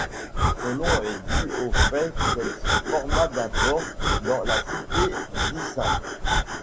Son nom est dû au fait qu'elle se forma d'abord dans la cité d'Isin.